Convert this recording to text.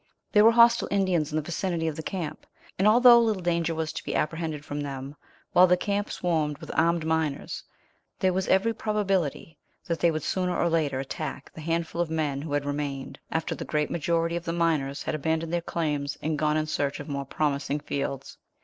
There were hostile Indians in the vicinity of the camp, and although little danger was to be apprehended from them while the camp swarmed with armed miners, there was every probability that they would sooner or later attack the handful of men who had remained, after the great majority of the miners had abandoned their claims and gone in search of more promising fields.